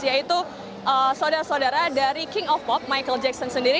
yaitu saudara saudara dari king of pop michael jackson sendiri